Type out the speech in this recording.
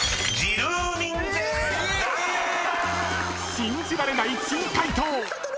［信じられない珍解答！］